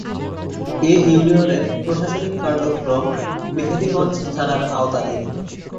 এ ইউনিয়নের প্রশাসনিক কার্যক্রম মেহেন্দিগঞ্জ থানার আওতাধীন।